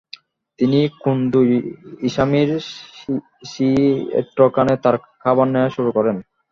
তিনি কোন্দো ইসামির শিএইকানে তার খাবার নেয়া শুরু করেন।